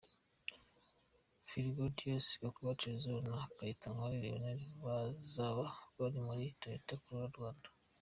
Fergadiotis Gakuba Tassos na Kayitankole Lionel bazab bari muri Toyota Corolla-Rwanda.